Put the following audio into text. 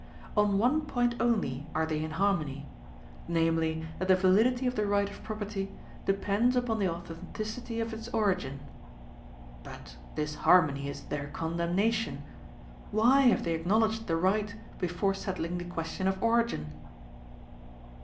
On one point only are they in harmony: namely, that the validity of the right of property depends upon the authenticity of its origin. But this harmony is their condemnation. Why have they acknowledged the right before settling the question of origin?